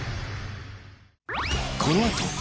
このあと